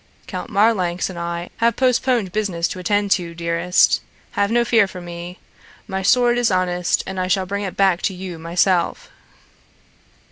"Count Marlanx and I have postponed business to attend to, dearest. Have no fear for me. My sword is honest and I shall bring it back to you myself."